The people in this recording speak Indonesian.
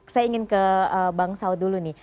saya ingin ke bang saud dulu nih